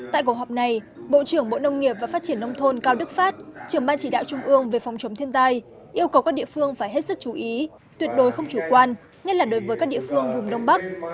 tại cuộc họp này bộ trưởng bộ nông nghiệp và phát triển nông thôn cao đức phát trưởng ban chỉ đạo trung ương về phòng chống thiên tai yêu cầu các địa phương phải hết sức chú ý tuyệt đối không chủ quan nhất là đối với các địa phương vùng đông bắc